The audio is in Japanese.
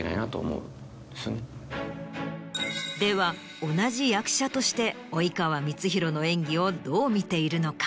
では同じ役者として及川光博の演技をどう見ているのか？